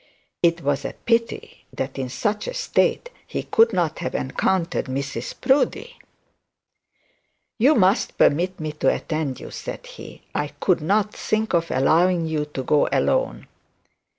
It was a pity that in such a state he could not have encountered Mrs Proudie. 'You must permit me to attend you,' said he; 'I could not think of allowing you to go alone.'